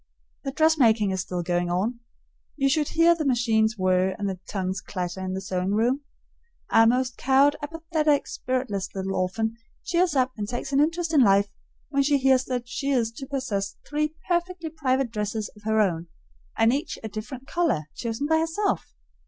The dressmaking is still going on. You should hear the machines whir and the tongues clatter in the sewing room. Our most cowed, apathetic, spiritless little orphan cheers up and takes an interest in life when she hears that she is to possess three perfectly private dresses of her own, and each a different color, chosen by herself.